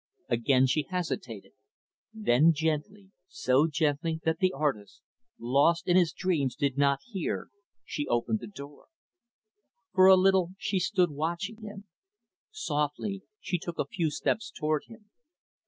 Again she hesitated then, gently, so gently that the artist, lost in his dreams, did not hear, she opened the door. For a little, she stood watching him. Softly, she took a few steps toward him.